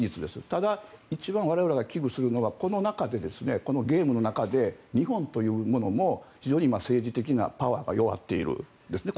ただ、一番我々が危惧するのはこの中で、このゲームの中で日本というものも非常に今、政治的なパワーが弱っていますね。